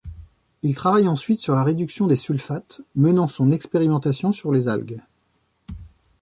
Il travaille ensuite sur la réduction des sulfates, menant son expérimentation sur les algues.